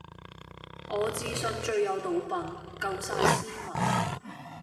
我自信最有賭品,夠曬斯文